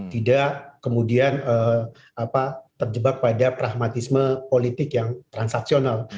tidak kemudian terjebak pada pragmatisme politik yang transaksional